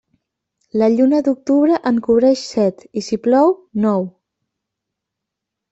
La lluna d'octubre en cobreix set, i si plou, nou.